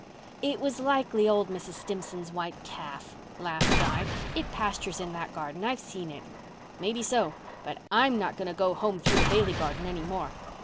"It was likely old Mrs. Stimson's white calf," laughed Di. "It pastures in that garden—I've seen it." "Maybe so. But I'm not going home through the Bailey garden any more.